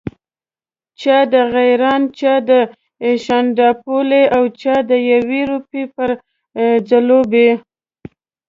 چا د غیراڼ، چا د شانداپولي او چا د یوې روپۍ پر ځلوبۍ.